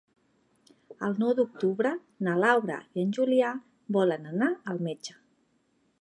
El nou d'octubre na Laura i en Julià volen anar al metge.